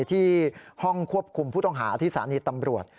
ที่ห้องควบคุมผู้ต้องหาที่สถานีตำรวจ